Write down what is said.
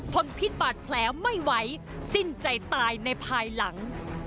ทนพิษบาดแผลไม่ไหวสิ้นใจตายในภายหลัง